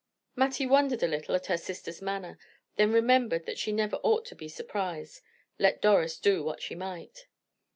Mattie wondered a little at her sister's manner, then remembered that she never ought to be surprised, let Doris do what she might.